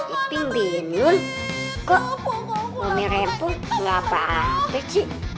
iping binyun kok ngomel rempung gak apa apa sih